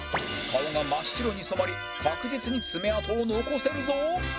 顔が真っ白に染まり確実に爪痕を残せるぞ